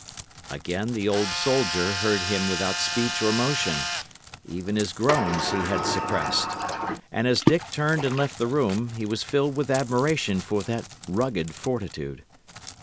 Again the old soldier heard him without speech or motion; even his groans he had suppressed; and as Dick turned and left the room, he was filled with admiration for that rugged fortitude.